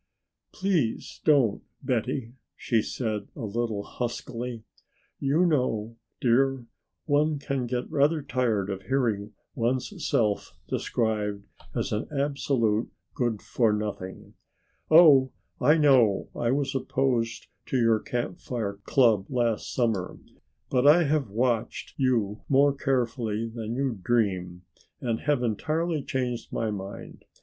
"Please don't, Betty," she said a little huskily. "You know, dear, one can get rather tired of hearing one's self described as an absolute good for nothing. Oh, I know I was opposed to your Camp Fire club last summer, but I have watched you more carefully than you dream and have entirely changed my mind.